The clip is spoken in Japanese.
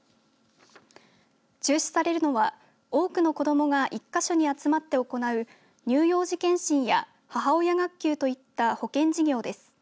中止されるのは多くの子どもが１か所に集まって行う乳幼児検診や母親学級といった保健事業です。